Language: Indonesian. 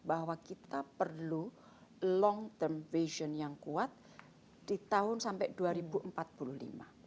bahwa kita perlu long term fashion yang kuat di tahun sampai dua ribu empat puluh lima